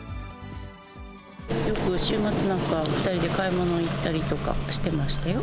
よく週末なんか２人で買い物行ったりとかしてましたよ。